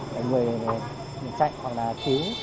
để người chạy hoặc là cứu